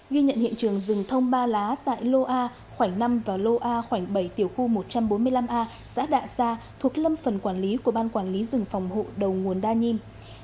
ghi nhận hiện trường rừng thông ba lá tại lô a khoảnh năm và lô a khoảnh bảy tiểu khu một trăm bốn mươi năm a xã đạ sa thuộc lâm phần quản lý của ban quản lý rừng phòng hộ đầu nguồn đa nhiêm